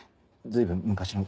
随分昔の。